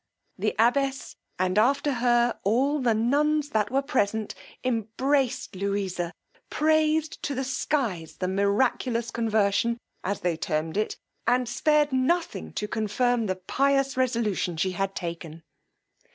The abbess, and, after her, all the nuns that were present, embraced Louisa, praised to the skies this miraculous conversion, as they termed it, and spared nothing to confirm the pious resolution she had taken.